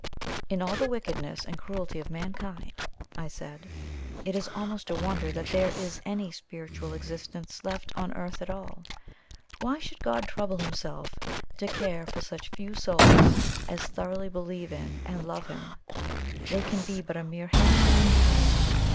"In all the wickedness and cruelty of mankind," I said, "it is almost a wonder that there is any spiritual existence left on earth at all. Why should God trouble Himself to care for such few souls as thoroughly believe in and love Him? they can be but a mere handful."